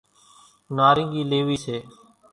نارينگي ليوي سي،